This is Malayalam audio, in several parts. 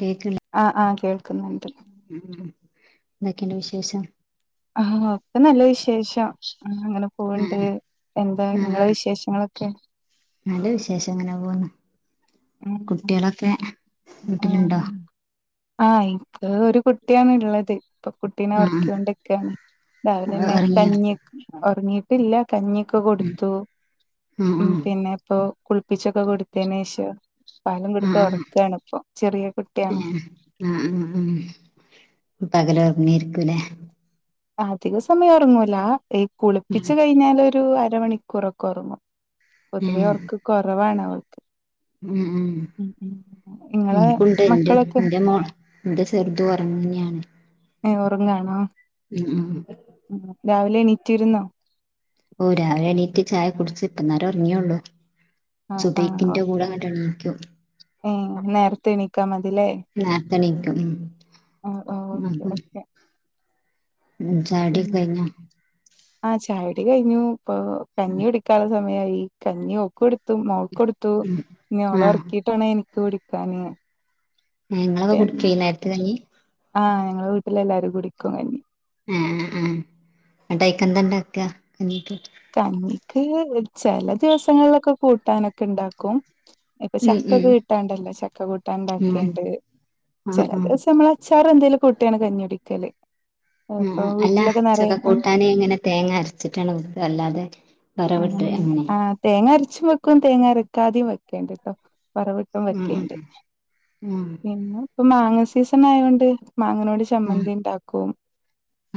കേക്കണില്ല ആഹ് ആഹ് കേൾക്കുന്നുണ്ട് ഉം എന്തൊക്കെയുണ്ട് വിശേഷം ആഹ് ഒക്ക നല്ല വിശേഷം അങ്ങനെ പോവണ്ട് ആഹ് എന്താ നിങ്ങളെ ആഹ് വിശേഷങ്ങളൊക്കെ നല്ല വിശേഷം ഇങ്ങനെ പോന്ന് കുട്ടികളൊക്കെ ആണ് വീട്ടിലുണ്ടോ ആഹ് എനിക്ക് ഒരു കുട്ടിയാണ് ഉള്ളത് ഇപ്പൊ കുട്ടീനെ ആഹ് ഒറക്ക്യോണ്ടിക്കയാണ് രാവിലന്നെ ഉറങ്ങിയോ കഞ്ഞ്യക്ക് ഒറങ്ങിയിട്ടില്ല കഞ്ഞിയൊക്കെ കൊട്ത്തു ഉം ഉം പിന്നെ ഇപ്പോ കുളിപ്പിച്ചൊക്കെ കെടത്തിന് ശേഷം പാലും കൊട്ത്ത് ആഹ് ഒറക്കാണ് ഇപ്പം ചെറിയ കുട്ടിയാണ് ഏഹ് ആഹ് ആഹ് പകല് ഒറങ്ങായാരിക്കും അല്ലേ അധിക സമയം ഒറങ്ങൂല്ലാ ഈ കുളിപ്പിച്ച് കയിഞ്ഞാലൊ ഒരു അരമണിക്കൂറൊക്കെ ഒറങ്ങും പൊതുവെ ഒറക്ക് കൊറവാണ് അവൾ ഉം ഉം ഉം ഇങ്ങളെ കൊണ്ട് വരണ്ട് മക്കളൊക്കെ എൻ്റെ മോള് എന്റെ ചെറ്തും ഒറങ്ങ്യാ ന്നെയാണ് യെ ഒറങ്ങാണോ ഉം ഉം രാവിലെ എണീറ്റി ഇര്ന്നോ ഓ രാവില എണീറ്റ് ചായ കുടിച്ച് ഇപ്പാന്നേരം ഒറങ്ങിയേള്ളൂ ആഹ് ആഹ് സുബൈഹിയ്ക്കിന്റെ കൂടെ ഓക്കെ അങ്ങാട്ട് എണിക്കും ഏഹ് നേരത്തെ എണിക്കാ മതില്ലേ നേരത്തെ എണീക്കും ഉം ആഹ് ഓക്കെ ഓക്കെ ഉം ചായക്കുടിക്കെ ഉം കയിഞ്ഞോ ആഹ് ചായ കുടി കയിഞ്ഞു ഇപ്പൊ കഞ്ഞി കുടിക്കാനുള്ള സമയായി കഞ്ഞി ഓക്ക് കൊട് ത്തും മോക്ക് കൊടുത്തു ഇനി അവളെ ആഹ് ഒറക്കീട്ട് വേണം എനിക്ക് കുടിക്ക്യാന് ഉം നിങ്ങളൊക്കെ കുടിക്ക്യേ ഈ നേരത്തെ കഞ്ഞി ആഹ് ഞങ്ങളെ വീട്ടിലെ എല്ലാരും കുടിക്കും കഞ്ഞി ഏഹ് ഏഹ് ഇങ്ങെട്ട് അയ്ക്കെന്താ ഇണ്ടാക്കാ കഞ്ഞീക്ക്? കഞ്ഞിക്ക് ചെല ദിവസങ്ങളിലൊക്കെ കൂട്ടാന് ഒക്കെണ്ടാക്കും ഇപ്പൊ ചക്കൊക്കെ ഉം കിട്ടാണ്ടല്ലോ ചക്ക കൂട്ടാൻ ഉം ഉം ഇണ്ടാക്കേണ്ട് ആഹ് ചെല ആഹ് ദിവസം ഞമ്മളെ അച്ചാറും എന്തേലും കുട്ടിയാണ് കഞ്ഞി കൂടിക്കല് ഉം ഉം അല്ലാ ചക്കാ ഉം കൂട്ടാന് എങ്ങനെ തേങ്ങാ അരച്ചിട്ടാണേ വെക്ക? അല്ലാതെ ഉം വറവിട്ട് അങ്ങനെ ആഹ് തേങ്ങാ അരച്ചും വെക്കും തേങ്ങ അരക്കാതെയും വെക്കേണ്ട്ട്ടോ വറവ് ഇട്ടും ഉം വെക്കേണ്ട് ഉം ഉം പിന്നെ ഇപ്പം മാങ്ങ സീസണായോണ്ട് മാങ്ങനോട് ച ഉം ചമ്മന്തിണ്ടാക്കും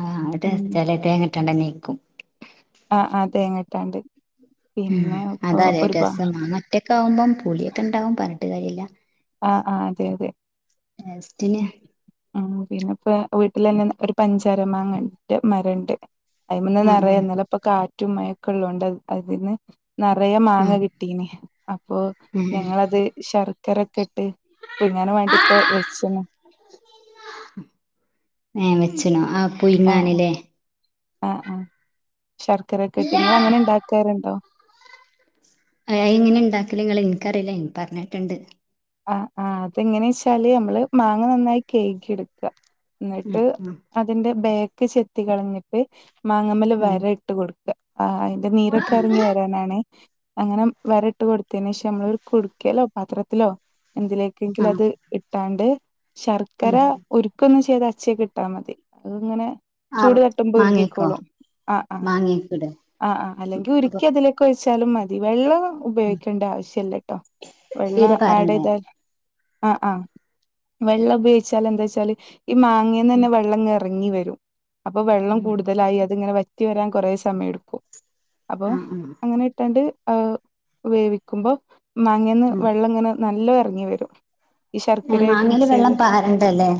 ആഹ് അത് ഉം ടേസ്റ്റാലെ [unintelligible] ആഹ് ആഹ് തേങ്ങട്ടാണ്ട് ഉം പിന്നെ ഇപ്പൊ അതാലേ ഒരുപാ രസം മാങ്ങ ഒറ്റാക്കാവുമ്പം പുളിയക്കെ ഇണ്ടാവും പറഞ്ഞിട്ട് കാര്യല്ല ആഹ് ആഹ് അതെ അതെ ടേസ്റ്റിന് ഉം ആഹ് പിന്നെ പ്പേ വീട്ടിലന്നെ ഒര് പഞ്ചാര മാങ്ങന്റെ മരെണ്ട് അയ്മെന്ന് ഉം നിറയെ ഉം ഇന്നലെ ഇപ്പൊ കാറ്റും, മഴ ഒക്കെള്ളോണ്ട് അതിന്ന് നിറയെ മാങ്ങ ഉം കിട്ടീനി അപ്പൊ ഏഹ് ഞങ്ങളത് ശർക്കര ഇട്ട് പുഴുങ്ങാനും വേണ്ടി ഇപ്പൊ വെച്ച്ണ് ഏഹേ വെച്ച്ണോ ആഹ് ആഹ് പുയിങ്ങാന്ലേ? ആഹ് ആഹ് ശർക്കരക്കെയിട്ട് ഇങ്ങള് അങ്ങനെ ഇണ്ടാക്കാറുണ്ടോ? ആഹ് അത് എങ്ങനെ ഇണ്ടാക്കല് ഇങ്ങള് ഇൻക്കറിയില്ല ഇൻ പറഞ്ഞേട്ട്ണ്ട് ആഹ് ആഹ് അത് എങ്ങനേച്ചാല് ഞമ്മള് മാങ്ങ നന്നായി കയുകി എട്ക്ക ഉം ഇന്നെട്ട് ഉം അതിന്റെ ബാക് ചെത്തി കളഞ്ഞിട്ട് മാങ്ങമ്മെല് ഉം വരയിട്ട് കൊട്ക്ക ആഹ് അ യിന്റെ നീരൊക്കെ എറങ്ങി വെ രാനാണ് അങ്ങനെ വരാ ഇട്ട് കൊട്ത്തേന് ശേഷം നമ്മളൊര് കുട്ക്കേലോ പാത്രത്തിലോ എന്തിലേക്കെങ്കിലും ആഹ് അത് ഇട്ടാണ്ട് ശർക്കര ഉം ഉരുക്കൊന്നും ചെയ്യാതെ അച്ചേക്ക് ഇട്ടാ മതി അത് ഇങ്ങനെ ആഹ് ചൂട് തട്ടുമ്പോ മാങ്ങേക്കോ ഉരുകിക്കോളും ആഹ് ആഹ് മാങ്ങേക്ക്‌ടെ ആഹ് ആഹ് അല്ലെങ്കി അപ്പൊ ഉര്ക്കി അതില് ക്ക് ഒയിച്ചാലും മതി വെള്ളം ഉം ഉപയോഗിക്കേണ്ട ആവിശ്യല്ലട്ടോ വെള്ള തീരെ പാരണ്ടേ ആഹ് ആഹ് വെള്ളം ഉപയോഗിച്ചാല് എന്താച്ചാല് ഈ ഉം മാങ്ങേന്നന്നെ വെള്ളം ഇങ്ങെറങ്ങി വെരും അപ്പം വെള്ളം ഉം കൂടുതലായി അത് ഇങ്ങനെ വ റ്റി വരാൻ കൊറേ സമയെട്ക്കും അപ്പോ ആഹ് ആഹ് അങ്ങനെ ഇട്ടാണ്ട് ആഹ് വേവിക്കുമ്പം മാങ്ങേന്ന് ഉം വെള്ളം ഇങ്ങനെ നല്ലോം എറങ്ങി വെരും ഈ ഏഹ് ശർക്കരായിട്ട് മാങ്ങേല് മിക്സെയ്ത് വെള്ളം പാരണ്ടല്ലേ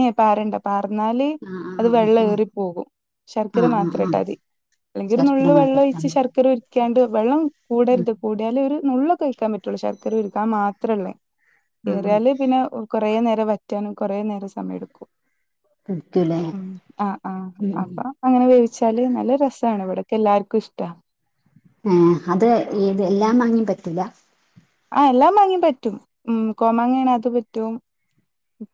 ഏഹ് പാരണ്ട പാർന്നാല് ആഹ് അത് ആഹ് വെള്ളം ആഹ് ഏറി പോകും ആഹ് ശർക്കര ആഹ് ആഹ് മാത്രം ആഹ് ഇട്ടാതി അല്ലെങ്കി ഒരു ശർക്കര നുള്ള് മാത്രം വെള്ളൊഴിച്ച് ശർക്കര ഉ രുക്കിയാണ്ട് വെള്ളം ഉം കൂടരുത് കൂടിയാല് ഒരു നുള്ളൊക്കെ ഒഴിക്കാൻ പറ്റൊള്ളൂ ശർക്കര ഉരുകാൻ മാത്രള്ളെ ഉം ഉം ഏറിയാല് പിന്നെ കൊറേ നേരം വറ്റാനും കൊറേ നേരം സമ സമയെടുക്കും കുടിക്കൂലേ ഉം ആഹ് ആഹ് ഉം അപ്പ ഉം അങ്ങനെ വേവിച്ചാല് നല്ല രസാണ് ഇവിടൊക്കെ എല്ലാർക്കും ഇഷ്ട്ട ഏഹേ അത് ഏത് എല്ലാം മാങ്ങയും പറ്റില്ല? ആഹ് എല്ലാ മാങ്ങിം പറ്റും ഉം കോമാങ്ങാ ആണേ അത് പറ്റും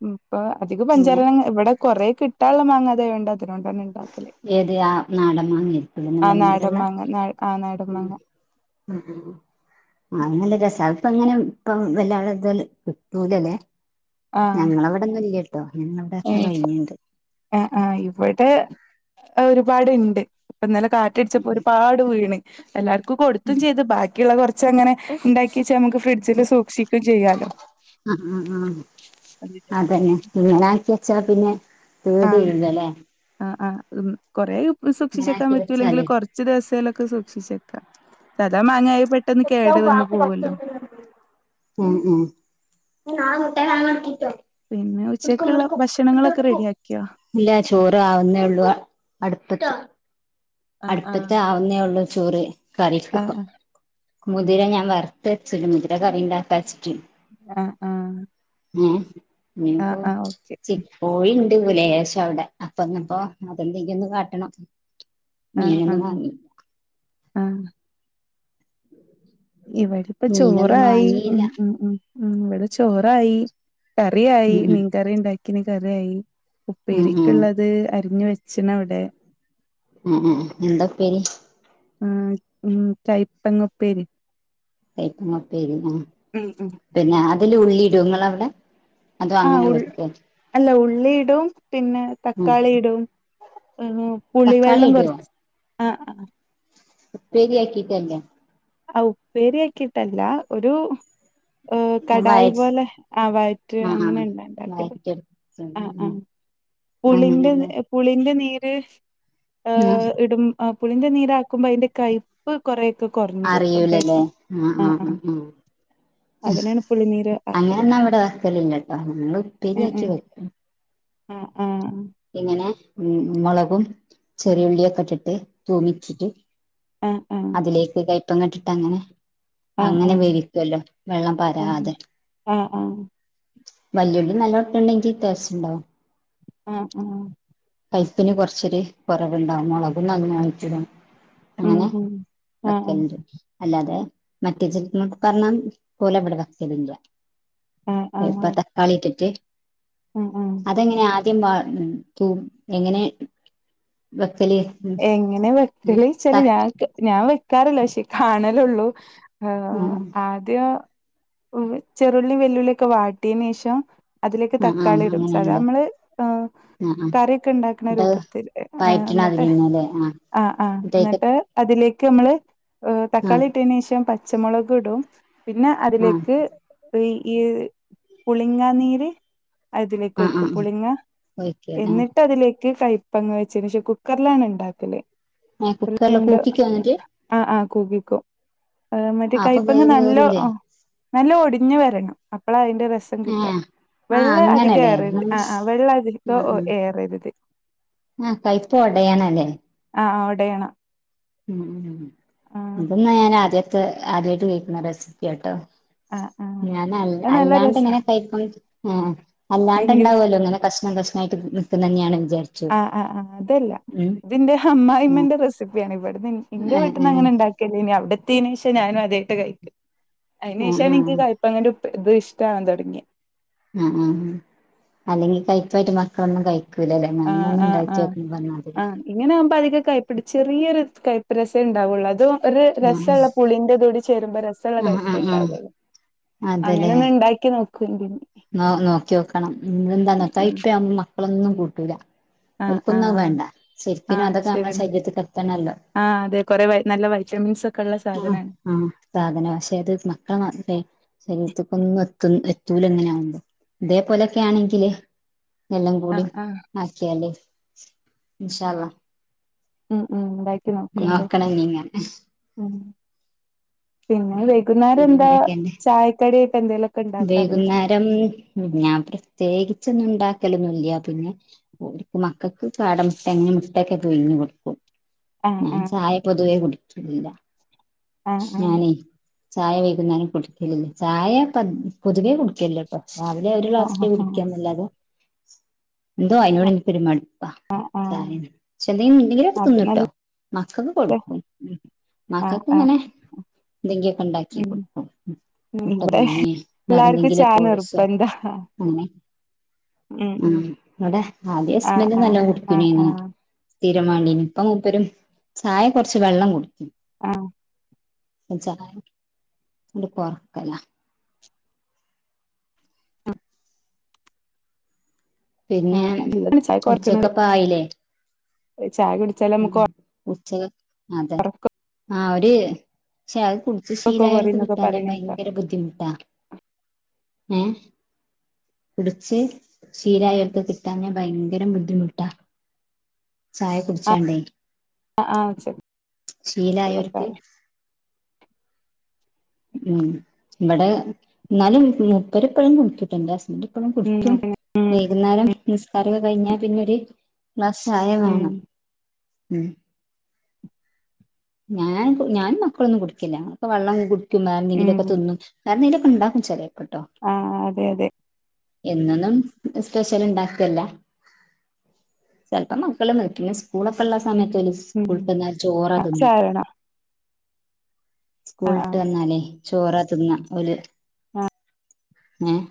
ഇപ്പൊ അധികം പഞ്ചാര എങ്ങനെ മാങ്ങ ഇവടെ കൊറേ കിട്ടാള്ള മാങ്ങാ അത് ആയോണ്ട് അതിനോണ്ടന്നെ ഇണ്ടാക്കല് ഏത് ആ നാടൻ മാങ്ങ ആയിരിക്കുലേ ആ നല്ല നാടൻ മധ്രള്ളെ? മാങ്ങ ന ആ നാടൻ ഉം മാങ്ങ ഉം ആഹ് അത് നല്ല രസാ അത്പ്പ ഇങ്ങനെ ഇപ്പ വല്ലാതെ ഇതുപോലെ കിട്ടൂലലേ? ആഹ് ഞങ്ങളെ ഇവടൊന്നും ഇല്യട്ടോ ഞങ്ങൾതക്കെ കഴിഞ്ഞിണ്ട് ആഹ് ആഹ് ഇവിടെ ഒരുപാടുണ്ട് ഇപ്പന്നലെ കാറ്റടിച്ചപ്പോ ഒരുപാട് വീണ് എല്ലാർക്കു കൊടുത്തും ചെയ്ത് ബാ ക്കിയുള്ള കുറച്ചങ്ങനെ ഇണ്ടാക്കി വച്ചാ നമുക്ക് ഫ്രിഡ്ജില് സൂക്ഷി ആഹ് ആഹ് ആഹ് അതന്നെ ഇങ്ങനെ ആക്കി വച്ചാ പിന്നെ കേട് ആഹ് ഇല്ലല്ലേ ആഹ് ആഹ് ഉം കൊറെ ഇങ്ങനെ സൂക്ഷിച്ചെക്കാൻ ആക്കി പറ്റൂല്ലെങ്കിൽ വെച്ചാലേ കൊറ ച്ച് ദിവസയിലൊക്കെ സൂക്ഷിച്ചേക്കാം സദാ മാങ്ങായി പെട്ടെന്ന് കേട് വന്ന് പോവല്ലോ ഉം ഉം പിന്നെ ഉച്ചക്കുള്ള ഭക്ഷണങ്ങളൊക്കെ റെഡിയാക്കിയോ ഇല്ല ചോറ് ആവുന്നേ ഉള്ളൂ അ അടുപ്പത്ത് ആഹ് ആഹ് അടുപ്പത്ത് ആവുന്നേ ഉള്ള് ചോറ് കറിക്ക് ഇപ്പ ആഹ് മുതിര ഞാൻ വറുത്തെച്ചല്ല മുതിര കറിണ്ടാക്കാ വെച്ചിട്ട് ആഹ് ആഹ് ങ്ങേ ആഹ് ഇനിപ്പോ ആഹ് ഓക്കെ ചി കോഴിണ്ട് ലേശം അവിടെ അപ്പൊന്നപ്പോ അതെന്തെങ്കും ഒന്ന് കാട്ടണം ആഹ് മീനന്നും ആഹ് വാങ്ങി ആഹ് ഇവിടിപ്പം മീനൊന്നും ചോറായി വാങ്ങിയില്ല ആഹ് ആഹ് ആഹ് ഇവിടെ ചോറായി കറിയായി ഉം മീൻകറി ഇണ്ടാക്കിന് കറിയായി ഉം ഉം ഉപ്പേരിക്ക്ള്ളത് അരിഞ്ഞ് വെ ച്ഛന അവിടെ ഉം ഉം എന്താ ഉപ്പേരി ഉം ഉം കൈപ്പങ്ങ്പ്പേരി കൈപ്പങ്ങ്പ്പേരി ആഹ് ഉം ഉം പിന്നെ ആതില് ഉള്ളി ഇടുവോ നിങ്ങളവിടെ ആഹ് ഉ അല്ല ഉള്ളിയിടും പിന്നെ ഉം തക്കാളി ഇടും മ് മ് തക്കാളി പുളിവെള്ളം ഇടോ കുറച്ച് ആ ഉപ്പേരി ആക്കീട്ടല്ലേ ആ ഉപ്പേരി ആക്കിട്ടല്ല ഒരു ഏഹ് വഴ കടായി പോലെ ആ വയറ്റ് ആഹ് ആഹ് അങ്ങനുണ്ടാക്കല് വഴറ്റെടുത്ത് ആഹ് ഉം ആഹ് പുളിന്റെ അങ്ങനെല്ലേ പുളിന്റെ നീര് ആഹ് ഏഹ് ഇടും ആഹ് പുളിന്റെ നീരാക്കുമ്പോ അയ്ന്റെ കയ്പ്പ് കൊറേക്കെ കുറ അറിയൂലല്ലേ ആഹ് ആഹ് ആഹ് ആഹ് അതിനാണ് പുളിനീര് ആക്കല് അങ്ങനെന്ന ഇവടെ വെക്കലില്ലാട്ടോ നമ്മള് ഏഹ് ഉപ്പേരിയാക്കി ഏഹ് വെക്കും ആഹ് ആഹ് ഇങ്ങനെ ഉം ഉം മുളകും ചെറിയുള്ളിയൊക്കെ ഇട്ടിട്ട് തൂമിച്ചിട്ട് ആഹ് അതിലേക്ക് കയ്പം ക ഇട്ടിട്ട് അങ്ങനെ ആഹ് അങ്ങനെ ആഹ് വിരിക്കുവല്ലോ വെള്ളം ആഹ് പരാതെ ആഹ് ആഹ് ആഹ് വല്ല്യുള്ളി നല്ലോണം ഇട്ടെണ്ടെങ്കിൽ ടേസ്റ്റ് ഇണ്ടാവും ആഹ് ആഹ് പൈപ്പിന് കൊറച്ചൊരു കുറവുണ്ടാവും മുളകും അങ്ങ് വാങ്ങിച്ചതും ഉം അങ്ങനെ ഉം ആഹ് ആഹ് വെക്കെണ്ട് അല്ലാതെ മറ്റേ [unintelligible] പറഞ്ഞ പോലവിടെ വെക്കലില്ല ആഹ് ആഹ് ഇപ്പ തക്കാളി ഇട്ടിട്ട് ആഹ് ആഹ് അതെങ്ങനെയാ [unintelligible] എങ്ങനെ വെക്കല് എങ്ങനെ വെക്കല് ഓയ്ചാല് തക്ക ഞാൻ ഞാൻ വെക്കാറില്ല പക്ഷേ കാണലൊള്ളു. ഉം ആദ്യ ചെറുള്ളി വെല്ലുള്ള്യക്കെ വാട്ട്യേനേഷം. അതിലേക്ക് ആഹ് ആഹ് തക്കാളി ഇടും. അങ്ങനെയുണ്ട് സാധാ നമ്മള് ആ ആഹ് ആഹ് കവ്യാെക്കെ ഇണ്ടാക്ക്ണ ന്നട്ട് രൂപത്തില്ലെ ആ ഇന്നിട്ടെ. ആഹ് ആഹ്. തേക്ക് ഇന്നട്ട് അതിലേക്ക് നമ്മള് തക്കാളി ആഹ് ഇട്ട് ട്ടേനേഷം പച്ചമുളക് ഇടും. പിന്നെ ആഹ് അതിലേക്ക്. അപ്പൊ ഈ പുളിങ്ങ നീര് അതിലേക്ക് ആഹ് ഒയ്ക്കും ആഹ് പുളിങ്ങ. ഒഴിക്കല്ലേ എന്നിട്ട് അതിലേക്ക് കഴ ഇപ്പന്ന് [unintelligible] വെച്ചേന്റേഷം കുക്കറ്ലാണ് ഇണ്ടാക്കല്. ആഹ് കുക്കറില് കൂക്കിക്കോ എന്നിട്ട് ആഹ് ആ കൂക്കിക്കും. ഇന്നട്ട് ആഹ് അപ്പൊ കയ്പ്പങ്ങ വേവ് നല്ല കേറൂലേ നല്ല ഒടിഞ്ഞഞ് വരണം. അപ്പള അതിന്റെ രസം കിട്ട ഏഹ് ആഹ് വെള്ള അധികം അങ്ങനല്ലേ ഏറരുത്. ആഹ് ആ ആ വെള്ള അധികം ആഹ് ഏറരുത്. ആഹ് കൈപ്പ ഒടയാനാല്ലെ. ആഹ് ഒടയണം. ഉം ഉം ആഹ് ഇത് ഇന്നാ ഞാൻ ആദ്യത്തെ ആദ്യായിട്ട് കേക്ക്ന്ന റെസിപ്യാട്ടൊ. ആഹ് ആഹ് ഞാന് അത് നല്ല അല്ലാണ്ടെ രസാ ഇങ്ങനെ ക ആ ആഹ് അല്ലാണ്ട്ണ്ടാവൊല്ലോ ഇങ്ങനെ കഷ്ണം കഷ്ണായിട്ട് നിക്കുന്നന്യാണ് വിചാരിച്ച്. ആഹ്. ആഹ്. ആഹ്. അതല്ല ഇതിന്റെ ഉം അമ്മായിമ്മന്റെ റെസിപ്യാണ്. ഇവിടുന്ന് ഇന്റെ ഏഹ് വീട്ടിന്ന് ഏഹ് അങ്ങനെ ഇണ്ടാക്കി നി അവിടത്ത്യേനേഷം ഞാനും അതായിട്ട കഴിക്ക. അതിന് ആഹ് ആഹ് ശേഷാണ് ഇൻക്ക് കയ് ഇപ്പ ങ്ങട്ട് ഇത് ഇഷ്ടവാൻ തൊടങ്യ ഉ ഉം. അല്ലെങ്കിൽ കഴ്പ്പായിട്ട് മക്കളൊന്നും കഴിക് ക്ക്ലലെ. ആഹ് മണ്ണൊന്നും ആഹ് ഇണ്ടായിട്ട് ആഹ് ഉണ്ടാക്കക്ക പറഞ്ഞാതിരി. ആഹ് ഇങ്ങനെ ആകുമ്പ അധികം കൈപ്പിടി ചെറിയൊരു കൈപ്പ് രസെ ഇണ്ടാവൊള്ളു അതോ ഒരു രസ ആഹ് ഇള്ള പുളിന്റെ തൂടി ചേരുമ്പ രസള്ള ആഹ് കയപ്പെ ആഹ് ആഹ് ഇണ്ടാവൊള്ളൂ. അങ്ങനെ ഒന്ന് ഇണ്ടാക്കി നോക്ക്വണ്ടിന്ന്. ഇന്നാ നോക്ക്യാേക്കണം. എന്താണൊ. ഉം കയ്പ്പെ ആണെങ്കിൽ മക്കളൊന്നും കൂട്ടൂല. ആഹ് ഓൽകൊന്നും അത് ആഹ് വേണ്ട. ശരിക്കിനും അതൊക്കെ നമ്മുടെ ശരീരത്തിക്ക് എത്തണല്ലോ. ആ അതെ. കൊറേ നല്ല വൈറ്റമിൻസ് ഒക്കെ ഉള്ള സാധനാണ്. ആ സാധന. പക്ഷെ അത് മക്കളെ മാത്രേ ശരീരത്തിക്കൊന്നും എത്ത എത്തൂല എങ്ങനെയറ ഇതേപോലെക്കെ ആണെങ്കില് എല്ലാം കൂടി ആഹ് ആഹ് ആക്ക്യാല് ല്ലി ഇഷാ അ ഉം ഉം നോക്കണ നീങ്ങാൻ ളം പിന്നെ വൈകുന്നേരം എന്താ പിന്നെന്തൊക്കെണ്ട് ചായക്കട്യാെക്കെ എന്തേലൊക്- വൈകുന്നേരം ഞാൻ പ്രത്യേകിിച്ചൊന്നും ഉണ്ടാക്കലൊന്നുംല്ല പിന്നെ ക്ക് മക്കൾക്ക് ചാട മുട്ട എങ്ങനെ മുട്ടൊക്കെ പുഴ്ങ്ങി കൊടുക്കും. ആഹ് ഞാൻ ആഹ് ചായ പൊതുവെ കടച്ചില്ല ആഹ് ഞാനേ - ചായ വൈകുന്നേരം കുടിക്കല്ല്ല ചായ പൊതുവെ കുടിക്കല്ല പക്ഷ രാവിലെ ഒരു ആഹ് ക്ലാസ്റ്റില ആഹ് കുടപ്പിക്കാ എന്നല്ലാതെ എന്തോ അതിനോട് എനിക്ക് മടി പെ ആഹ് ആഹ് ആഹ് എന്തെങ്കിലും ഉണ്ടെങ്കിലൊക്കെ അത് തിന്നുട്ടോ. നല്ല മാക്കൾക്കൊക്കെ കൊടുക്കും. ആഹ് മക്കക്ക് ആഹ് ഇങ്ങനെ എന്തെങ്കി ഒക്കെ ഇണ്ടാക്കി ഉം ക്ലാടക്കും. ഉം ഇവിടെ പുഴുങ്ങി. വേറെ എല്ലാർക്കും എന്തെങ്കിലും ചായ കോഴ്സോ? നിർബന്ധാ അങ്ങനെ ഉം ഉം ആഹ്. ഇവിടെ ആദ്യ ആഹ് ഹസ്ബെന്റ് ആഹ് നല്ലോ ആഹ് കുടുകുണെന് ആഹ് തീരമാണ്ടീനി. ഇപ്പം മൂപ്പരും ചായ കൊറച്ച് വെള്ളം കുടിക്കും. ആഹ് ചായ ആണ്ട് കൊർക്കല പിന്നെ ആഹ് അതിലാണ് ഉച്ചക്കക്ക് ആയില്ലേ ഒരു ചായ കുട ഉം ഉച്ച അതെ ആഹ് ഒരു ച ച്ച് ഒറക്കൊക്കെ ശീലായോൽക്ക് കൊറയുന്നൊക്കെ കിട്ടാഞാ പറയണേക്കാം ഭയങ്കര ബുദ്ധിമുട്ടാ ഏഹ് കുടിച്ച് ശീലായവർക്ക് കിട്ടാഞാ ഭയങ്കര ബുദ്ധിമുട്ടാ ചായ കുടിച്ചാണ്ടേ ആഹ് ആഹ് ഉച്ചക്കുള്ള ശീലായവർക്ക് ചായ ഉം ഇവിടെ എന്നാലും മുപ്പരെപ്പോഴും കുടിക്ക്ട്ടോ എന്റെ ഹസ്ബൻഡ് എപ്പഴും ഉം കുടിക്കും അതന്നെ ഉം വൈകുന്നേരം നിസ്ക്കാര കഴിഞ്ഞാ പിന്നൊര് ക്ലാസ് ചായ ഉം വേണം ഉം ഞാൻ ഞാൻ മക്കളൊന്നും കുടിക്കില്ല വെള്ളം കുടിക്കുംവേറെ എന്തെങ്കിലും ഒക്കെ ഉം തിന്നും വേറെ ന്തേലൊക്കെ ണ്ടാക്കും ചേലെപ്പം ട്ടോ ആഹ് അതെ അതെ എന്നൊന്നും സ്പെഷ്യൽ ഉണ്ടാക്കല്ല ചിലപ്പോം മക്കള് നിക്കെ സ്കൂളൊക്കെ ഉള്ള സമയത്ത് ഉം സ്കൂളട്ട് ന്നാല് ആഹ് സാരണ ആഹ് സ്കൂളിട്ട് വന്നാലേ ചോറ തിന്ന ഓല് ഏഹ്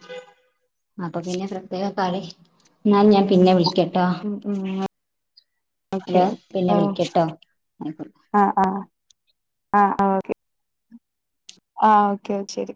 അപ്പൊ പിന്നെ പ്രത്യേക കറി ഞാൻ ഞാൻ പിന്നെ വിളിക്കട്ടോ ഉം ഉം ഓക്കെ ഹലോ ഒക്കെ പിന്നെ വിളിക്കട്ടോ ആയിക്കോട്ടെ ആഹ് ആഹ് ആഹ് ഓക്കെ ആഹ് ഓക്കെ ശരി